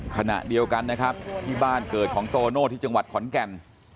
ขณะเดียวกันนะครับที่บ้านเกิดของโตโน่ที่จังหวัดขอนแก่น